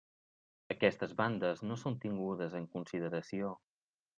Aquestes bandes no són tingudes en consideració.